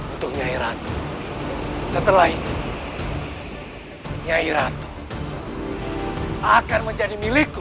untuk nyairat setelah ini nyairat akan menjadi milikku